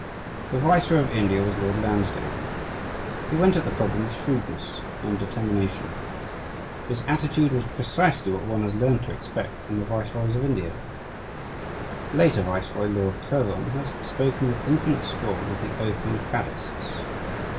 The Viceroy of India was Lord Lansdowne. He went at the problem with shrewdness and determination. His attitude was precisely what one has learned to expect in the viceroys of India. A later viceroy, Lord Curzon, has spoken with infinite scorn of the "opium faddists."